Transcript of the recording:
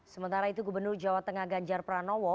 sementara itu gubernur jawa tengah ganjar pranowo